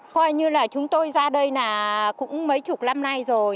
coi như là chúng tôi ra đây là cũng mấy chục năm nay rồi